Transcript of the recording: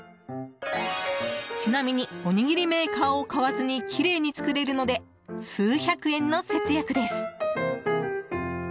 ちなみにおにぎりメーカーを買わずにきれいに作れるので数百円の節約です。